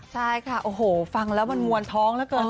ใช่ค่ะโอ้โหฟังแล้วมันมวลท้องเหลือเกิน